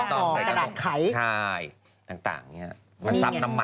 กลับมาคราวแสงไข่กันต่อค่ะ